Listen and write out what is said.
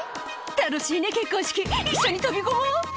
「楽しいね結婚式一緒に飛び込もう」